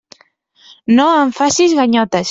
No em facis ganyotes.